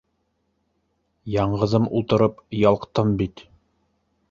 Яңғыҙым ултырып, ялҡтым бит!